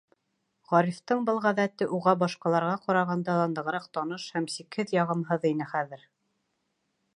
Ғарифтың был ғәҙәте уға башҡаларға ҡарағанда ла нығыраҡ таныш һәм сикһеҙ яғымһыҙ ине хәҙер.